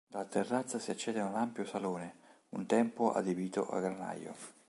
Dalla terrazza si accede ad un ampio salone un tempo adibito a granaio.